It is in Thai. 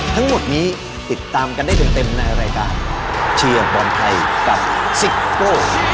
ทั้งหมดนี้ติดตามกันได้เต็มในรายการเชียร์บอลไทยกับซิโก้